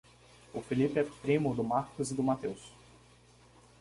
O Felipe é primo do Marcos e do Mateus.